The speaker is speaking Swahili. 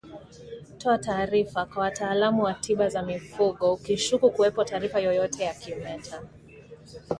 Toa taarifa kwa wataalamu wa tiba za mifugo ukishuku kuwepo taarifa yoyote ya kimeta